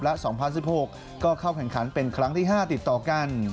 และ๒๐๑๖ก็เข้าแข่งขันเป็นครั้งที่๕ติดต่อกัน